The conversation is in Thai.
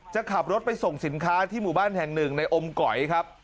จะขับรถไปส่งสินค้าที่หมู่บ้านแห่งหนึ่งในอมก๋อยครับ